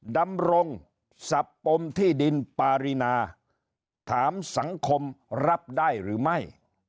ดำรงสับปมที่ดินปารีนาถามสังคมรับได้หรือไม่